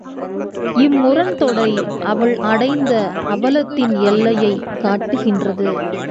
இம்முரண்தொடை அவள் அடைந்த அவலத்தின் எல்லையைக் காட்டுகின்றது.